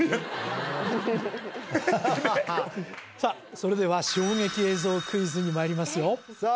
それでは衝撃映像クイズにまいりますよさあ